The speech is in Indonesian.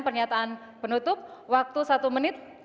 pernyataan penutup waktu satu menit